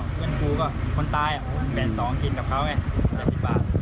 เพราะฉะนั้นกูก็คนตายแบบ๒กินกับเขาไง๗๐บาท